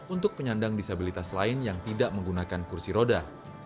untuk penyandang disabilitas lain yang tidak menggunakan kursi roda